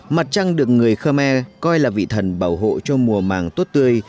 mặt trăng được người khơ me coi là vị thần bảo hộ cho mùa màng tốt tươi